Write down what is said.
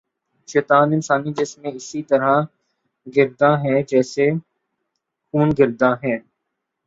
شیطان انسانی جسم میں اسی طرح گرداں ہے جیسے خون گرداں ہے